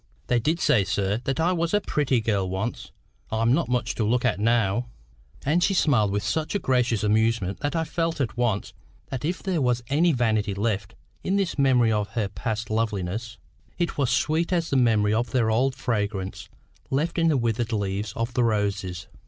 "They did say, sir, that I was a pretty girl once. I'm not much to look at now." And she smiled with such a gracious amusement, that I felt at once that if there was any vanity left in this memory of her past loveliness, it was sweet as the memory of their old fragrance left in the withered leaves of the roses.